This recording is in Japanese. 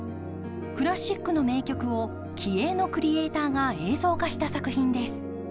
クラシックの名曲を気鋭のクリエーターが映像化した作品です。